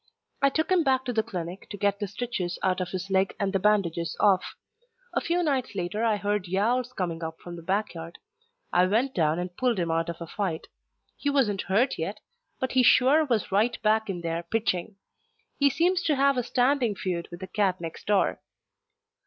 I took him back to the clinic to get the stitches out of his leg and the bandages off. A few nights later I heard yowls coming up from the backyard. I went down and pulled him out of a fight. He wasn't hurt yet, but he sure was right back in there pitching. He seems to have a standing feud with the cat next door.